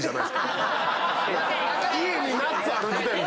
家にナッツある時点で。